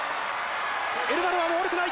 エルバノバも悪くない。